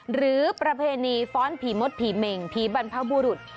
ประเพณีฟ้อนผีมดผีเมงผีบรรพบุรุษ